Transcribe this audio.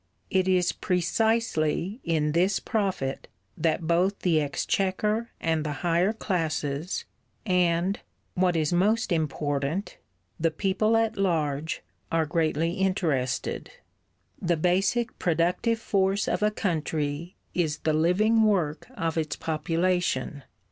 It is precisely in this profit that both the Exchequer and the higher classes, and what is most important the people at large, are greatly interested. The basic productive force of a country is the living work of its population.